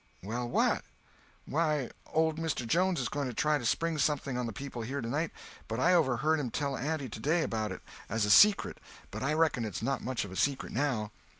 "Well, what?" "Why, old Mr. Jones is going to try to spring something on the people here tonight, but I overheard him tell auntie today about it, as a secret, but I reckon it's not much of a secret now.